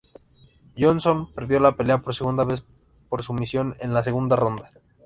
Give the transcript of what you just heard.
Johnson perdió la pelea por segunda vez por sumisión en la segunda ronda.